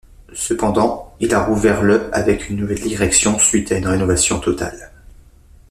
Cependant, il a rouvert le avec une nouvelle direction suite à une rénovation totale.